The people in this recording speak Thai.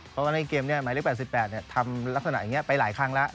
เพราะว่าในเกมนี้หมายเลข๘๘ทำลักษณะอย่างนี้ไปหลายครั้งแล้ว